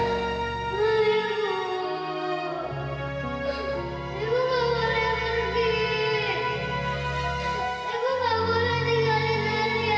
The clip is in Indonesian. ibu nggak boleh tinggalin alia